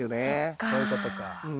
そういうことか。